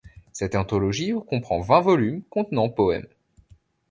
Cette anthologie comprend vingt volumes contenant poèmes.